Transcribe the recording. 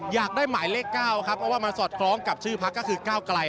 อยากได้หมายเลข๙ครับเพราะว่ามันสอดคล้องกับชื่อพักก็คือก้าวไกล